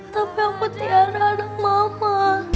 tapi aku tiara anak mama